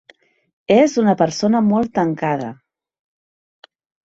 És una persona molt tancada.